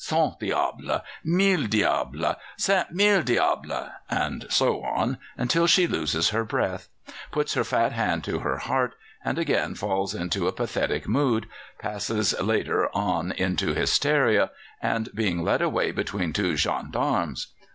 cent diables, mille diables, cent mille diables!_ and so on, until she loses her breath, puts her fat hand to her heart, and again falls into a pathetic mood, passing later on into hysteria, and being led away between two gendarmes.